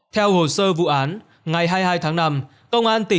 theo hồ sơ vụ án ngày hai mươi hai tháng năm